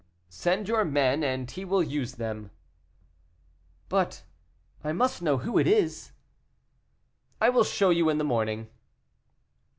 "Send your men, and he will use them." "But I must know who it is." "I will show you in the morning."